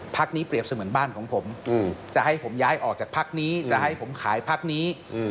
นี้เปรียบเสมือนบ้านของผมจะให้ผมย้ายออกจากพักนี้จะให้ผมขายพักนี้